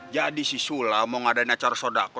jadi si sula mau ngadain acara sodako